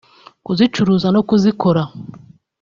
kuzicuruza no kuzikora